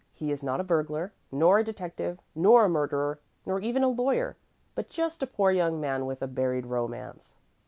He is not a burglar, nor a detective, nor a murderer, nor even a lawyer, but just a poor young man with a buried romance."